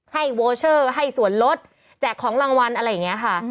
โวเชอร์ให้ส่วนลดแจกของรางวัลอะไรอย่างนี้ค่ะ